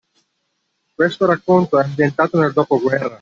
Questo racconto è ambientato nel dopoguerra